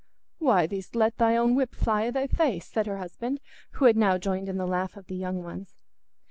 "Why, thee'st let thy own whip fly i' thy face," said her husband, who had now joined in the laugh of the young ones.